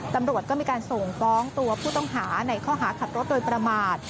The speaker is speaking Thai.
ตำรวจก็มีการส่งฟ้องตัวผู้ต้องหาในข้อหาขับรถโดยประมาท